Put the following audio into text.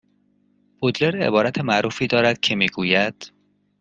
بودلر عبارت معروفی دارد که میگوید